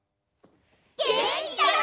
げんきだよ！